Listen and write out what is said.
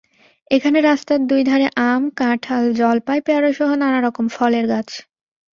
এখানে রাস্তার দুই ধারে আম, কাঁঠাল, জলপাই, পেয়ারাসহ নানা রকম ফলের গাছ।